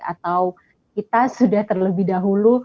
atau kita sudah terlebih dahulu